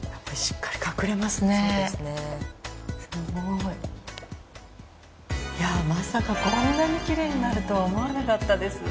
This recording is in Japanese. いやまさかこんなにきれいになるとは思わなかったです。